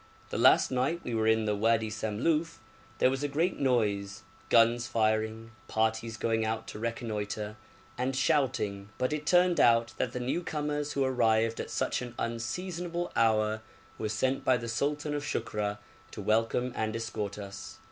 The last night we were in the Wadi Samluf there was a great noise guns firing, parties going out to reconnoitre, and shouting but it turned out that the new comers who arrived at such an unseasonable hour were sent by the sultan of Shukra to welcome and escort us.